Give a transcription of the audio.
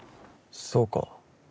そうか。